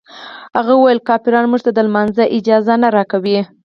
هغه ویل کافران موږ ته د لمانځه اجازه نه راکوي.